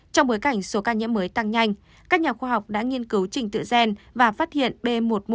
trong bối cảnh số ca nhiễm mới tăng nhanh các nhà khoa học đã nghiên cứu trình tựa gen và phát hiện b một một năm trăm hai mươi chín